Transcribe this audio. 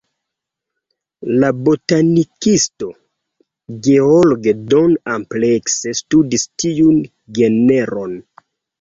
La botanikisto George Don amplekse studis tiun genron.